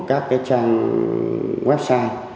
của các trang website